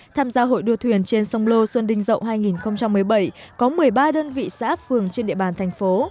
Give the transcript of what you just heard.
tham gia hội đua thuyền trên sông lô xuân đinh rậu hai nghìn một mươi bảy có một mươi ba đơn vị xã phường trên địa bàn thành phố